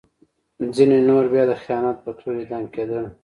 ځینې نور به د خیانت په تور اعدام کېدل.